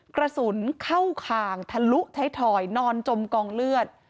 กระสุนเข้าคางทะลุท้ายทอยนอนจมกองเลือด